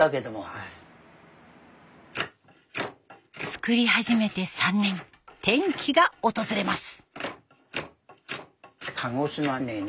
作り始めて３年転機が訪れます。